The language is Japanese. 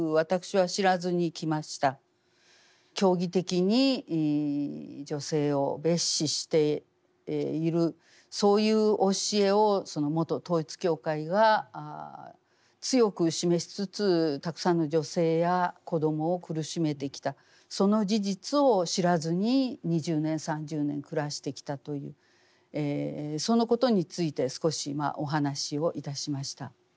教義的に女性を蔑視しているそういう教えを元統一教会が強く示しつつたくさんの女性や子どもを苦しめてきたその事実を知らずに２０年３０年暮らしてきたというそのことについて少しお話をいたしました。